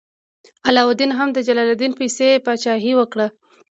علاوالدین هم د جلال الدین پسې پاچاهي وکړه.